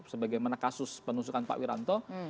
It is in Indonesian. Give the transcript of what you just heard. sebagai mana kasus penusukan pak wiranto